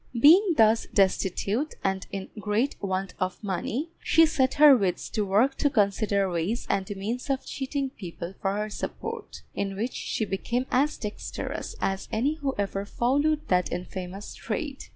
Being thus destitute, and in great want of money, she set her wits to work to consider ways and means of cheating people for her support, in which she became as dexterous as any who ever followed that infamous trade.